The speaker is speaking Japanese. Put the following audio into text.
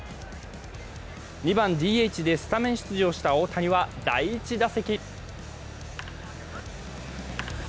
２番・ＤＨでスタメン出場した大谷は第１打席。